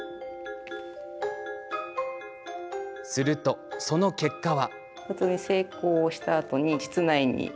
すると、その結果は。